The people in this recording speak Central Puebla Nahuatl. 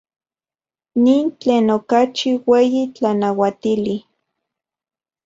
Nin tlen okachi ueyi tlanauatili.